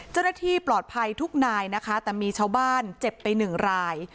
เจ้าหน้าที่ปลอดภัยทุกนายนะคะแต่มีชาวบ้านเจ็บไปหนึ่งราย